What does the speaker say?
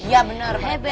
iya bener pak